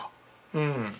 うん。